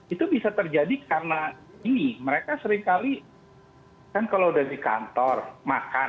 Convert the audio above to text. itu bisa terjadi karena ini mereka seringkali kan kalau udah di kantor makan